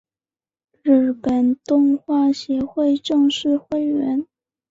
日本动画协会正式会员。